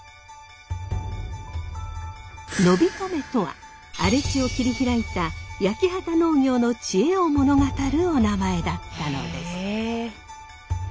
野火止とは荒れ地を切り開いた焼畑農業の知恵を物語るおなまえだったのです。